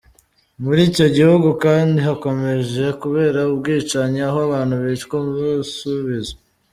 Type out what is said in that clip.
Muri icyo gihugu kandi hakomeje kubera ubwicanyi aho abantu bicwa umusubizo.